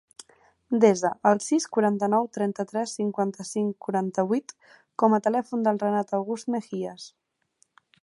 Desa el sis, quaranta-nou, trenta-tres, cinquanta-cinc, quaranta-vuit com a telèfon del Renat August Mejias.